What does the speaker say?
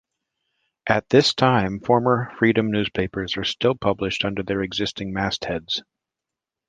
At this time, former Freedom newspapers are still published under their existing mastheads.